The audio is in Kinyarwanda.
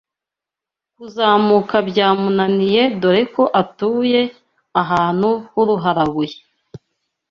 Kuzamuka byamunaniye dore ko atuye ahantu h’uruharabuye